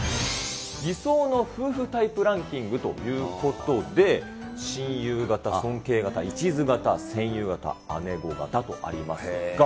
理想の夫婦タイプランキングということで、親友型、尊敬型、一途型、戦友型、姉御型とありますが。